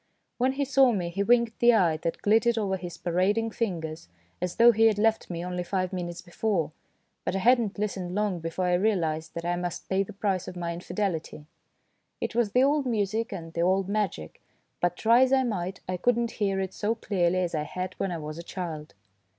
When he saw me he winked the eye that glittered over his parading fingers, as though he had left me only five minutes before, but I had not listened long before I realised that I must pay the price of my infidelity. It was the old music and the old magic, but try as I might I could not hear it so clearly as I had when I was a child.